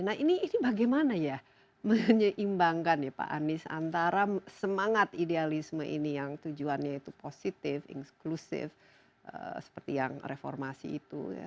nah ini bagaimana ya menyeimbangkan ya pak anies antara semangat idealisme ini yang tujuannya itu positif inklusif seperti yang reformasi itu ya